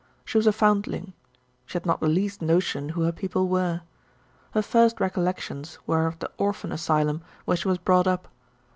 She was a foundling. She had not the least notion who her people were. Her first recollections were of the orphan asylum where she was brought up.